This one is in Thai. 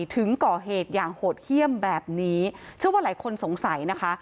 ถึงก่อเหตุอย่างโหดเยี่ยมแบบนี้เชื่อว่าหลายคนสงสัยนะคะ